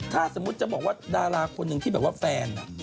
ถ้าสมมุติจะบอกว่าดาราคนหนึ่งที่แบบว่าแฟน